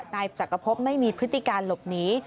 นายจักรพบไม่มีพฤติการหลบหนี